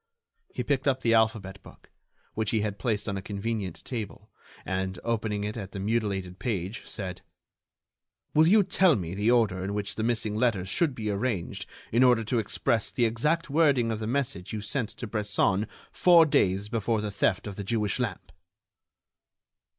He picked up the alphabet book, which he had placed on a convenient table, and, opening it at the mutilated page, said: "Will you tell me the order in which the missing letters should be arranged in order to express the exact wording of the message you sent to Bresson four days before the theft of the Jewish lamp?"